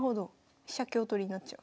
飛車香取りになっちゃう。